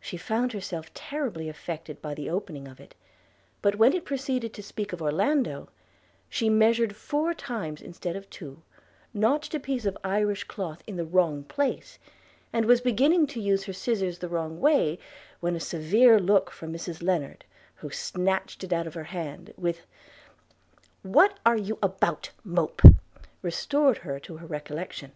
She found herself terribly affected by the opening of it; but when it proceeded to speak of Orlando, she measured four times instead of two, notched a piece of Irish cloth in the wrong place, and was beginning to use her scissars the wrong way, when a severe look from Mrs Lennard, who snatched it out of her hand, with 'What are you about, mope?' restored her to her recollection.